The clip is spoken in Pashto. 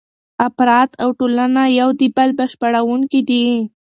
افراد او ټولنه یو د بل بشپړونکي دي.